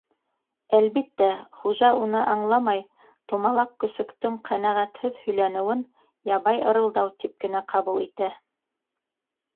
Әлбиттә, хужа уны аңламай, тумалаҡ көсөктөң ҡәнәғәтһеҙ һөйләнеүен ябай ырылдау тип кенә ҡабул итә.